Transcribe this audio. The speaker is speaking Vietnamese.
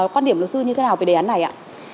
quan điểm luật sư như thế nào về đề án này ạ